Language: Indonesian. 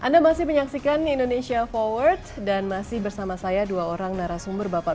dan bersama kami indonesia forward masih akan kembali sesaat lagi